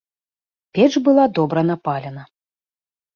Печ была добра напалена.